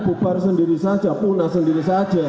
bubar sendiri saja punah sendiri saja